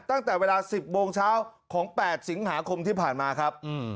ตั้งแต่เวลา๑๐โมงเช้าของ๘สิงหาคมที่ผ่านมาครับ